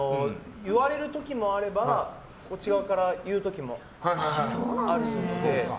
言われるときもあればこっち側から言う時もあるので。